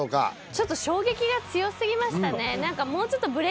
ちょっと衝撃が強すぎましたね